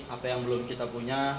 apa yang belum kita punya